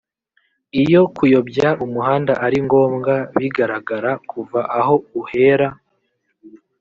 iyo kuyobya umuhanda ari ngombwa bigaragaraa kuva aho uhera.